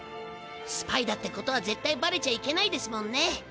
スパイだってことはぜったいバレちゃいけないですもんね。